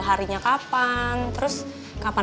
halo ada urusan be